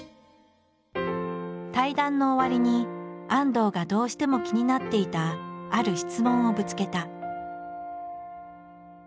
対談の終わりに安藤がどうしても気になっていたある質問をぶつけた。